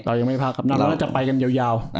เรายังไม่พักครับนั่นว่าจะไปกันยาว